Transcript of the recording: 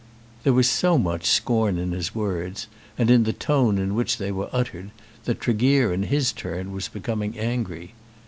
There was so much scorn in his words, and in the tone in which they were uttered, that Tregear in his turn was becoming angry.